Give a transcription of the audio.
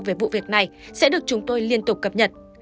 về vụ việc này sẽ được chúng tôi liên tục cập nhật